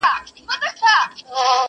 شپه او ورځ به په رنځور پوري حیران وه؛